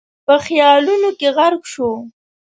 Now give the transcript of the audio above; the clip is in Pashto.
په خيالونو کې غرق شو.